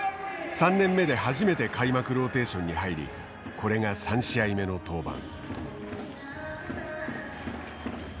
３年目で初めて開幕ローテーションに入りこれが３試合目の登板。